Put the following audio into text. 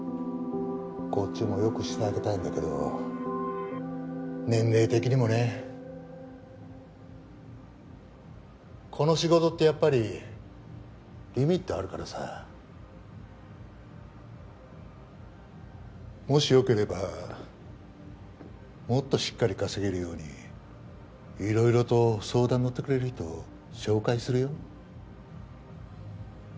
こっちもよくしてあげたいんだけど年齢的にもねこの仕事ってやっぱりリミットあるからさもしよければもっとしっかり稼げるようにいろいろと相談乗ってくれる人紹介するよ